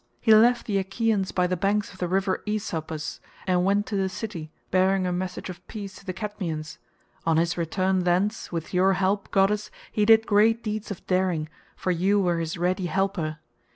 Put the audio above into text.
He left the Achaeans by the banks of the river Aesopus, and went to the city bearing a message of peace to the Cadmeians; on his return thence, with your help, goddess, he did great deeds of daring, for you were his ready helper.